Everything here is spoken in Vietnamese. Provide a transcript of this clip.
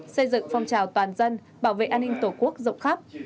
xây dựng phong trào toàn dân bảo vệ an ninh tổ quốc rộng khắp